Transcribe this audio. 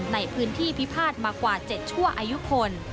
ในพื้นที่พิพาทมากว่า๗ชั่วอายุคน